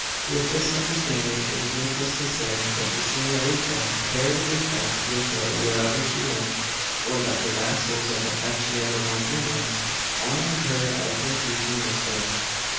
With this understanding, it is needless to say, that the senorita carried respect with her wherever she went, or that the vassals of the Hacienda Martinez honoured her as their future mistress.